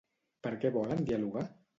Per què volen dialogar?